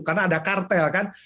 karena ada kartel kan